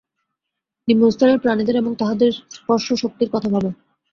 নিম্নস্তরের প্রাণীদের এবং তাহাদের স্পর্শশক্তির কথা ভাবো।